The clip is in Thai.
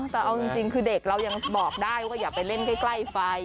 แต่เอาจริงคือเด็กเรายังบอกได้ว่าอย่าไปเล่นใกล้ไฟ